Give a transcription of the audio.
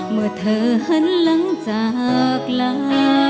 เมื่อเธอหันหลังจากลา